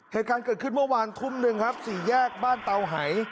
เหตุการณ์เกิดขึ้นเมื่อวานทุ่มหนึ่งครับสี่แยกบ้านเตาหาย